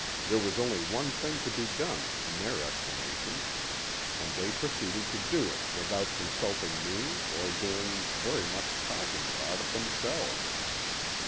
There was only one thing to be done, in their estimation, and they proceeded to do it without consulting me or doing very much talking about it themselves.